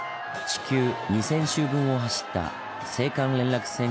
地球２，０００周分を走った青函連絡船